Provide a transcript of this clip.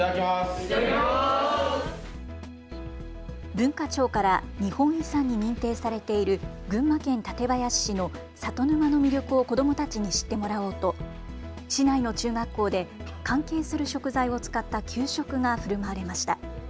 文化庁から日本遺産に認定されている群馬県館林市の里沼の魅力を子どもたちに知ってもらおうと市内の中学校で関係する食材を使った給食がふるまわれました。